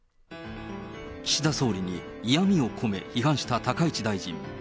岸田総理に嫌味を込め、批判した高市大臣。